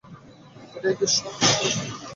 এটাই কি সর্বশেষ পাইপ?